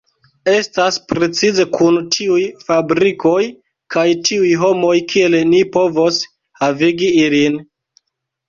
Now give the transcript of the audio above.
Estas precize kun tiuj fabrikoj kaj tiuj homoj kiel ni povos havigi ilin.